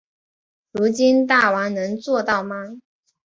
如今大王能做到吗？